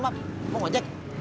mau gak jack